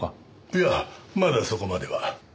いやまだそこまでは。